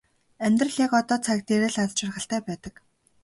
Амьдрал яг одоо цаг дээр л аз жаргалтай байдаг.